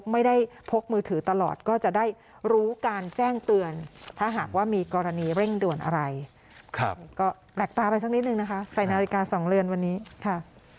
ไม่ได้พกมือถือตลอดก็จะได้รู้การแจ้งเตือนถ้าหากว่ามีกรณีเร่งด่วนอะไรก็แปลกตาไปสักนิดนึงนะคะใส่นาฬิกาสองเรือนวันนี้ค่ะ